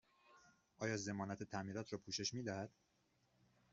آیا ضمانت تعمیرات را پوشش می دهد؟